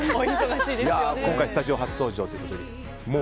今回、スタジオ初登場ということですけども。